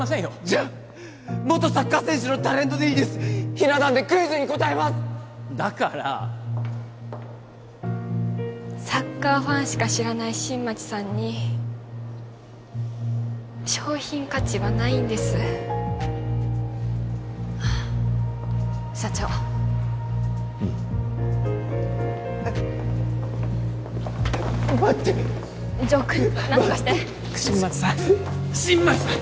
じゃあ元サッカー選手のタレントでいいですひな壇でクイズに答えますだからサッカーファンしか知らない新町さんに商品価値はないんです社長うん待って城くん何とかして新町さん新町さん！